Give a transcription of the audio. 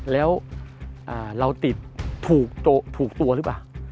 แล้วเราติดถูกตัวหรือเปล่า